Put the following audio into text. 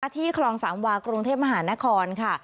ที่คลองสามวากรุงเทพมหานครค่ะ